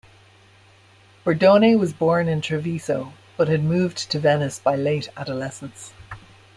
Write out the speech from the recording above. Bordone was born in Treviso, but had moved to Venice by late adolescence.